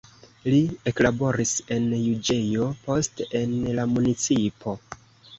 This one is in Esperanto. Li eklaboris en juĝejo, poste en la municipo.